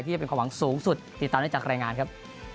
จะเป็นความหวังสูงสุดติดตามได้จากรายงานครับ